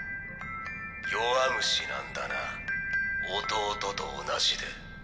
弱虫なんだな弟と同じで。